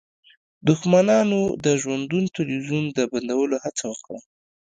دښمنانو د ژوندون تلویزیون د بندولو هڅه وکړه